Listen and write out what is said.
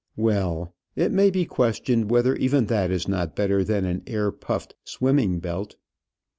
Well; it may be questioned whether even that is not better than an air puffed swimming belt.